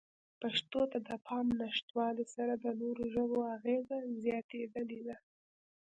پښتو ته د پام نشتوالې سره د نورو ژبو اغېزه زیاتېدلې ده.